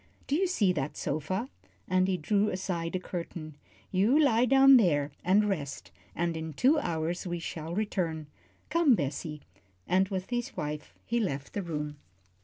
"Do you see that sofa?" and he drew aside a curtain. "You lie down there and rest, and in two hours we shall return. Come, Bessie " and with his wife he left the room.